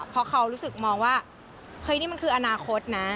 เพราะเขารู้สึกมองว่าเฮ้ยนี่มันคืออนาคตนะ